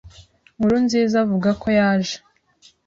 Nkurunziza avuga ko yaje